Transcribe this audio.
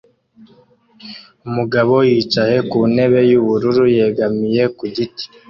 Umugabo yicaye ku ntebe yubururu yegamiye ku giti